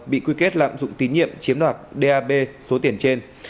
bị quy kết lạm dụng tín nhiệm chiếm đoạt dap số tiền trên